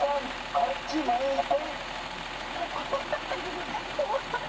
こっち向いて。